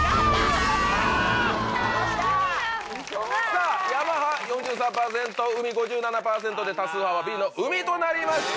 さぁ山派４３％海派５７％で多数派はＢの海となりました。